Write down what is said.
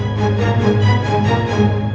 iya belum pak enggak